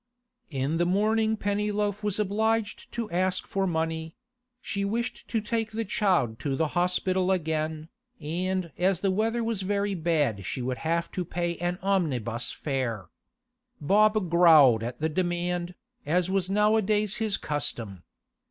In the morning Pennyloaf was obliged to ask for money; she wished to take the child to the hospital again, and as the weather was very bad she would have to pay an omnibus fare. Bob growled at the demand, as was nowadays his custom.